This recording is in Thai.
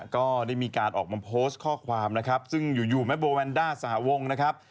ก็ได้มีการออกมาโพสต์ข้อความนะครับซึ่งอยู่แม่โบแวนด้าสหวงนะครับ